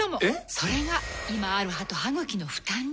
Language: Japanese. それが今ある歯と歯ぐきの負担に。